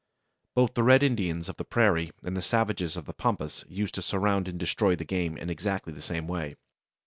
Both the Red Indians of the Prairie and the savages of the Pampas used to surround and destroy the game in exactly the same way.